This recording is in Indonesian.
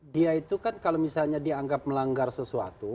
dia itu kan kalau misalnya dianggap melanggar sesuatu